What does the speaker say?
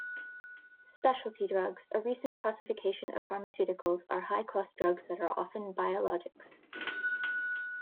Specialty drugs, a recent classification of pharmaceuticals, are high-cost drugs that are often biologics.